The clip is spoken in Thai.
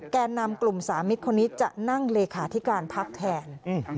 แก่นำกลุ่มสามิตรคนนี้จะนั่งเลขาธิการพักแทน